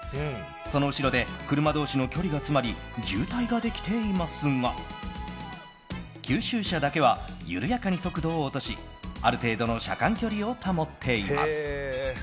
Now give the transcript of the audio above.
その後ろで車同士の距離が詰まり渋滞ができていますが吸収車だけは緩やかに速度を落としある程度の車間距離を保っています。